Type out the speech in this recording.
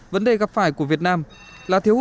vấn đề gặp phải của việt nam là thiếu hút